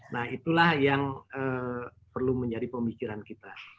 nah itulah yang perlu menjadi pemikiran kita